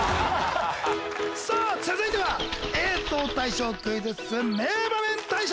さぁ続いては映像大賞クイズッス名場面大賞！